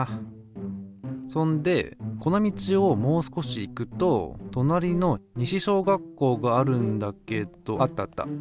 そんでこの道をもう少し行くととなりの西小学校があるんだけどあったあった。